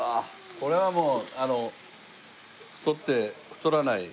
これはもうあの太って太らない食事。